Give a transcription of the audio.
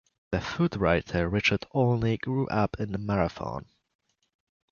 The food writer Richard Olney grew up in Marathon.